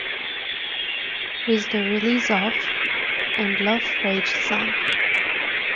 With the release of ...and Love Rages on!